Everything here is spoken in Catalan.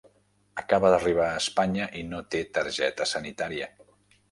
Acaba d'arribar a Espanya i no té targeta sanitària.